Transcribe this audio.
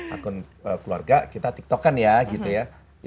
akun keluarga kita tiktoken ya gitu ya